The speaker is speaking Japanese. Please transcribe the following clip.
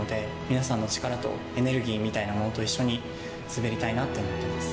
皆さんの力とエネルギーみたいなものと一緒に滑りたいなって思ってます。